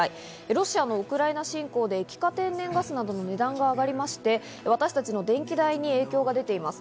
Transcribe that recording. ロシアのウクライナ侵攻で液化天然ガスなどの値段が上がりまして、私たちの電気代に影響が出ています。